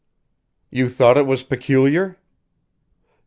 "You thought it was peculiar?"